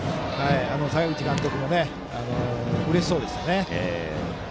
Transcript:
阪口監督もうれしそうでしたね。